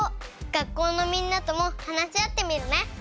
学校のみんなとも話し合ってみるね。